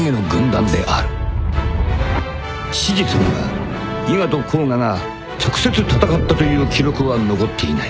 ［史実には伊賀と甲賀が直接戦ったという記録は残っていない］